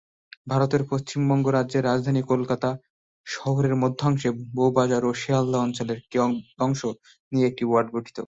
ভারতের পশ্চিমবঙ্গ রাজ্যের রাজধানী কলকাতা শহরের মধ্যাংশে বউবাজার ও শিয়ালদহ অঞ্চলের কিয়দংশ নিয়ে এই ওয়ার্ডটি গঠিত।